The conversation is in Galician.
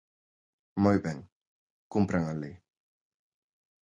Moi ben, cumpran a lei.